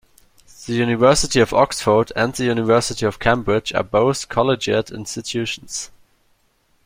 The University of Oxford and the University of Cambridge are both collegiate institutions